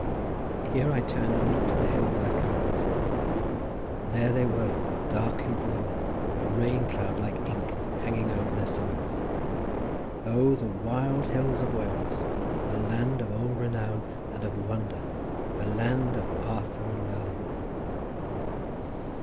Here I turned and looked at the hills I had come across. There they stood, darkly blue, a rain cloud, like ink, hanging over their summits. O, the wild hills of Wales, the land of old renown and of wonder, the land of Arthur and Merlin.